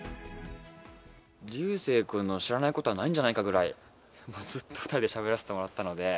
流星君の知らないことはないんじゃないかくらい、ずっと２人でしゃべらせてもらったので。